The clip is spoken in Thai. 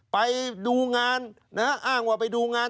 ไปดูงานนะฮะอ้างว่าไปดูงาน